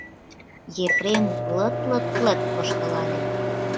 Епрем лыт-лыт-лыт воштылале.